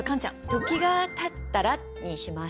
「時がたったら」にします。